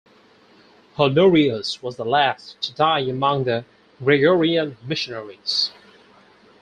Honorius was the last to die among the Gregorian missionaries.